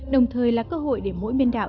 đồng thời là cơ hội để mỗi biên đạo